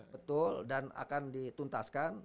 betul dan akan dituntaskan